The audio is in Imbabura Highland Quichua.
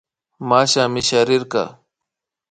Mashna misharishka